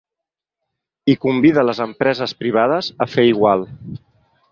I convida les empreses privades a fer igual.